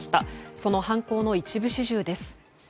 その犯行の一部始終です。